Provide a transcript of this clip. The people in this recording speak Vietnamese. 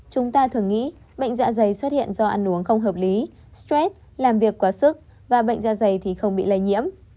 chúng ta thường nghĩ bệnh dạ dày xuất hiện do ăn uống không hợp lý stress làm việc quá sức và bệnh da dày thì không bị lây nhiễm